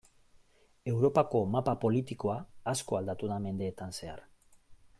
Europako mapa politikoa asko aldatu da mendeetan zehar.